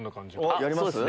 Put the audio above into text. やります？